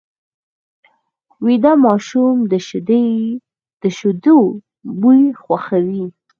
ویده ماشوم د شیدو بوی خوښوي